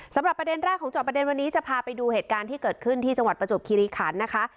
ประเด็นแรกของจอบประเด็นวันนี้จะพาไปดูเหตุการณ์ที่เกิดขึ้นที่จังหวัดประจวบคิริขันนะคะ